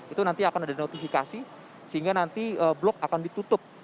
itu nanti akan ada notifikasi sehingga nanti blok akan ditutup